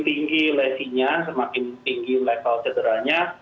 tinggi lesinya semakin tinggi level cederanya